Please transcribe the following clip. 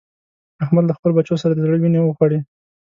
احمد له خپلو بچو سره د زړه وينې وخوړې.